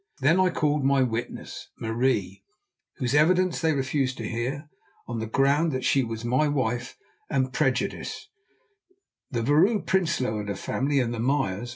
Then I called my witnesses, Marie, whose evidence they refused to hear on the ground that she was my wife and prejudiced, the Vrouw Prinsloo and her family, and the Meyers.